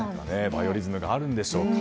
バイオリズムがあるんでしょうか。